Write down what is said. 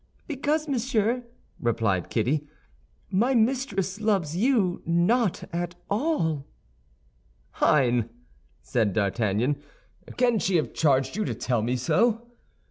"Because, monsieur," replied Kitty, "my mistress loves you not at all." "Hein!" said D'Artagnan, "can she have charged you to tell me so?"